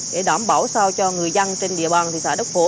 để đảm bảo sao cho người dân trên địa bàn thị xã đức phổ